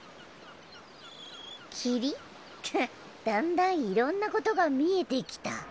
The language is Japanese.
だんだんいろんなことが見えてきた。